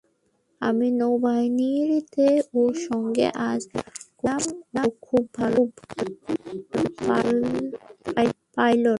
আমি নৌবাহিনীতে ওর সঙ্গে কাজ করেছিলাম, ও খুব ভালো পাইলট।